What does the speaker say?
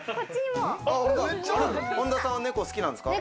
本田さんは猫好きなんですか？